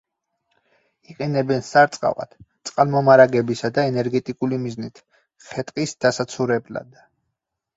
იყენებენ სარწყავად, წყალმომარაგებისა და ენერგეტიკული მიზნით, ხე-ტყის დასაცურებლად.